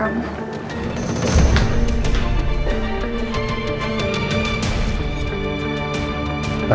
aku mau ke rumah